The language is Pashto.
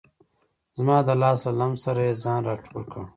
زما د لاس له لمس سره یې ځان را ټول کړ.